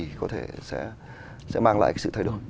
thì có thể sẽ mang lại sự thay đổi